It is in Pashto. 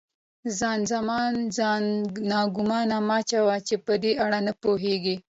خان زمان: ځان ناګومانه مه اچوه، چې په دې اړه نه پوهېږې.